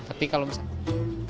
tapi kalau misalkan